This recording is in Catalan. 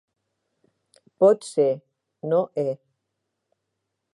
Pot ser, no he.